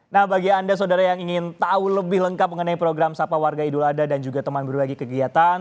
nah bagi anda saudara yang ingin tahu lebih lengkap mengenai program sapa warga idul adha dan juga teman berbagi kegiatan